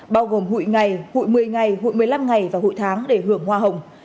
bao gồm hụi ngày hội một mươi ngày hội một mươi năm ngày và hụi tháng để hưởng hoa hồng